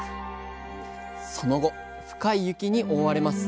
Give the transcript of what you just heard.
その後深い雪に覆われます。